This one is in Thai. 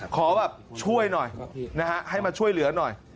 ขอแบบช่วยหน่อยนะฮะให้มาช่วยเหลือหน่อย